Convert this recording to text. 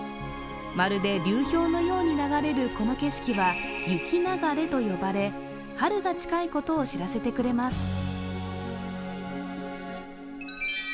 まるで流氷のように流れるこの景色は雪流れと呼ばれ、春が近いことを知らせてくれます。